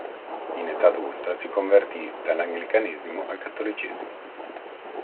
In età adulta, si convertì dall'anglicanesimo al cattolicesimo.